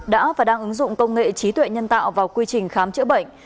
đã và đang ứng dụng công nghệ trí tuệ nhân tạo vào quy trình khám chữa bệnh